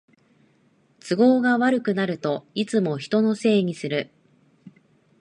都合が悪くなるといつも人のせいにする